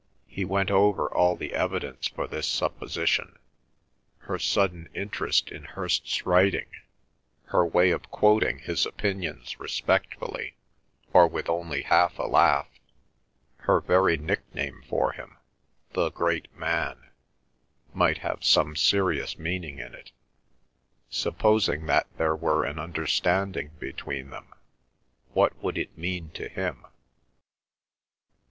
He went over all the evidence for this supposition—her sudden interest in Hirst's writing, her way of quoting his opinions respectfully, or with only half a laugh; her very nickname for him, "the great Man," might have some serious meaning in it. Supposing that there were an understanding between them, what would it mean to him?